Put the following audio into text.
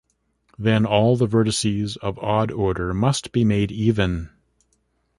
Then all the vertices of odd order must be made even.